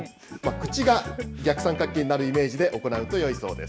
口が逆三角形になるイメージで行うとよいそうです。